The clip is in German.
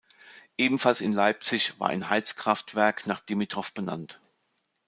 Ebenfalls in Leipzig war ein Heizkraftwerk nach Dimitroff benannt.